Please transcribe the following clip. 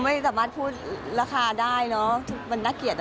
เราไม่สามารถพูดราคาได้มันน่าเกลียด